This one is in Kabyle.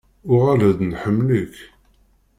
Uɣal-d nḥemmel-ik.